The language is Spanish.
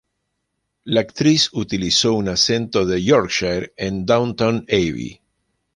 La actriz utilizó un acento de Yorkshire en Downton Abbey.